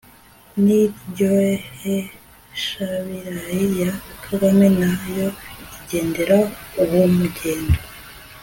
n'indyoheshabirayi ya a. kagame na yo igendera uwo mugendo